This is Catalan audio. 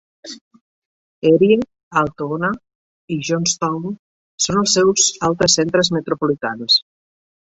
Erie, Altoona i Johnstown són els seus altres centres metropolitans.